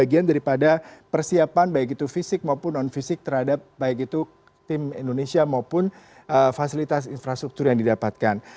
bagian daripada persiapan baik itu fisik maupun non fisik terhadap baik itu tim indonesia maupun fasilitas infrastruktur yang didapatkan